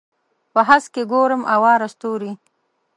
په هسک کې ګورم اواره ستوري